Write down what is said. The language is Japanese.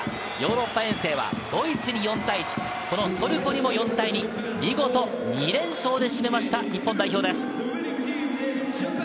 ヨーロッパ遠征はドイツに４対１、トルコにも４対２、見事２連勝で締めました、日本代表です。